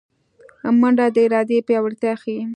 منډه د ارادې پیاوړتیا ښيي